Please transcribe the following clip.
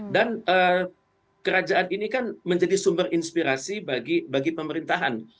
dan kerajaan ini kan menjadi sumber inspirasi bagi pemerintahan